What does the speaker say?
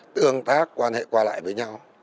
tương tác quan hệ qua lại với nhau